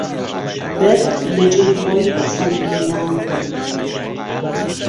بهرد له جێ ی خۆی سهنگینه